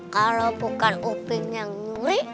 kalau bukan uping yang nyuri